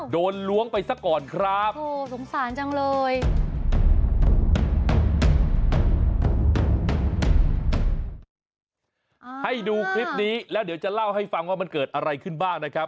โดนล้วงไปสักก่อนครับ